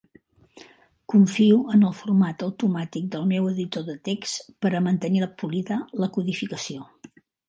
Confio en el format automàtic del meu editor de text per a mantenir polida la codificació.